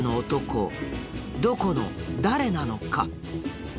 どこの誰なのか？